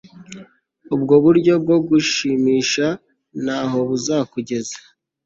Ubwo buryo bwo gushimisha ntaho buzakugeza